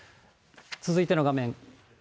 続いての画面。